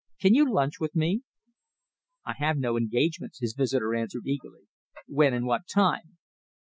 Can you lunch with me?" "I have no engagements," his visitor answered eagerly. "When and what time?"